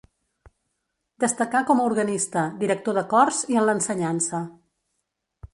Destacà com a organista, director de cors i en l'ensenyança.